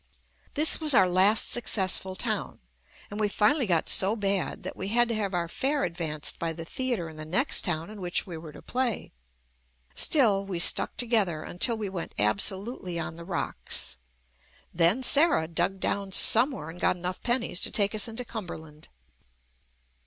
This was our last successful town, and we finally got so bad that we had to have our fare advanced by the theatre in the next town in which we were to play. Still we stuck to gether until we went absolutely on the rocks; then Sarah dug down somewhere and got enough pennies to take us into Cumberland.